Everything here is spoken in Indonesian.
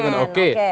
berarti amat demen